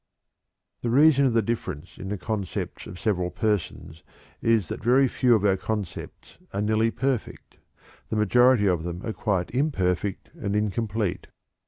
The reason of the difference in the concepts of several persons is that very few of our concepts are nearly perfect; the majority of them are quite imperfect and incomplete.